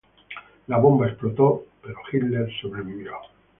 La bomba explotó, pero Hitler sobrevivió.